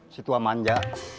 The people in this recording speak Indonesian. si tua manja